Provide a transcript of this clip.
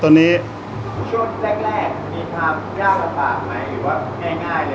สวัสดีครับผมชื่อสามารถชานุบาลชื่อเล่นว่าขิงถ่ายหนังสุ่นแห่ง